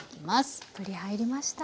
たっぷり入りました。